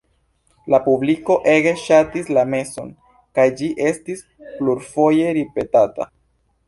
La publiko ege ŝatis la meson, kaj ĝi estis plurfoje ripetata.